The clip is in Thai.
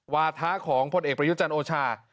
วาถะของพลเอกประยุจันทร์โอชา